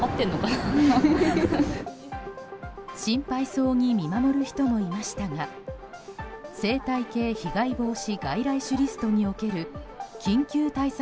心配そうに見守る人もいましたが生態系被害防止外来種リストにおける緊急対策